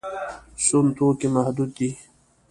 سون توکي محدود دي.